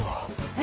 え？